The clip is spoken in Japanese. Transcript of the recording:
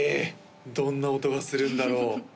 どんな音がするんだろう？